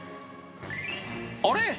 あれ？